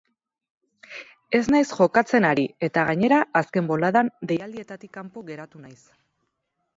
Ez naiz jokatzen ari eta gainera azken boladan deialdietatik kanpo geratu naiz.